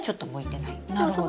なるほど。